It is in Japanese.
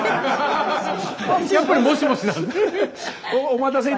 やっぱり「もしもし」なんですね。